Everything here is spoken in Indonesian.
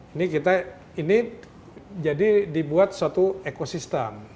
ini kita ini jadi dibuat suatu ekosistem